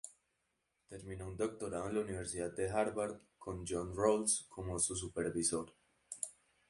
Terminó un doctorado en la Universidad de Harvard, con John Rawls como su supervisor.